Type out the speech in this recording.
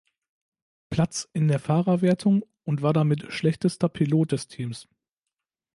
Platz in der Fahrerwertung und war damit schlechtester Pilot des Teams.